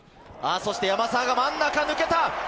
山沢が真ん中抜けた！